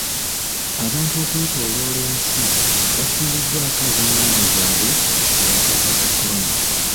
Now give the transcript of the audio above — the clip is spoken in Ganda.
Abantu okwetooloola ensi bafiiriddwako ab'enganda zaabwe olw'akawuka ka kolona.